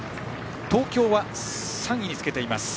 東京は３位につけています。